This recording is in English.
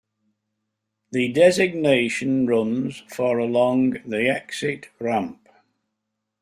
The designation runs for along the exit ramp.